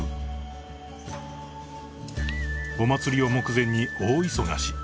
［お祭りを目前に大忙し］